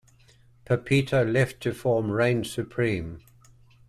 Pepito left to form Reign Supreme.